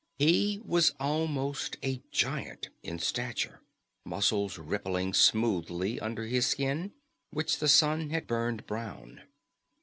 He was almost a giant in stature, muscles rippling smoothly under his skin which the sun had burned brown.